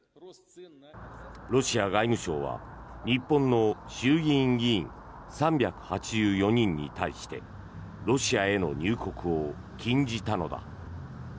ロシア外務省は日本の衆議院議員３８４人に対してロシアへの入国を禁じたのだ。